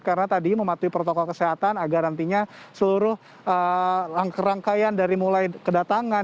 karena tadi mematuhi protokol kesehatan agar nantinya seluruh rangkaian dari mulai kedatangan